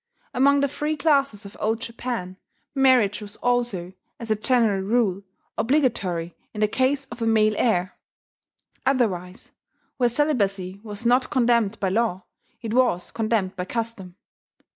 Among the free classes of Old Japan, marriage was also, as a general rule, obligatory in the case of a male heir: otherwise, where celibacy was not condemned by law, it was condemned by custom.